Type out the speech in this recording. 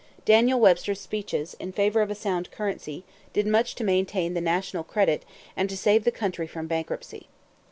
Daniel Webster's speeches, in favor of a sound currency, did much to maintain the national credit and to save the country from bankruptcy.